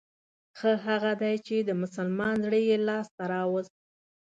ښه هغه دی چې د مسلمان زړه يې لاس ته راووست.